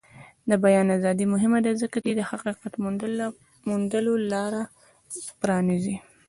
د بیان ازادي مهمه ده ځکه چې د حقیقت موندلو لاره پرانیزي.